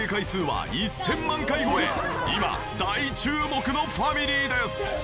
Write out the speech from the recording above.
今大注目のファミリーです。